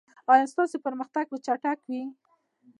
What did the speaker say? ایا ستاسو پرمختګ به چټک وي؟